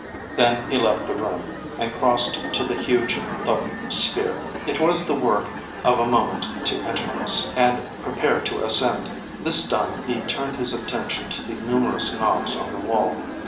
Then he left the room, and crossed to the huge thoque sphere. It was the work of a moment to enter this, and prepare to ascend. This done, he turned his attention to the numerous knobs on the wall.